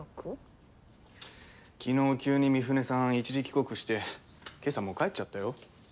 昨日急に美舟さん一時帰国して今朝もう帰っちゃったよ。